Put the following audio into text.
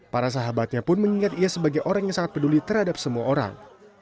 para sahabatnya pun mengingat ia sebagai orang yang sangat peduli terhadap semua orang